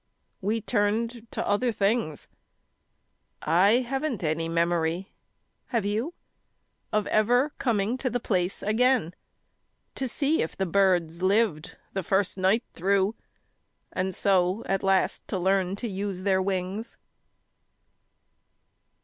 We turned to other things. I haven't any memory have you? Of ever coming to the place again To see if the birds lived the first night through, And so at last to learn to use their wings.